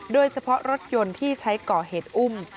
โดยเฉพาะรถยนต์ที่ใช้ก่อเหตุอุ้ม